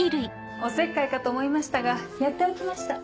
お節介かと思いましたがやっておきました。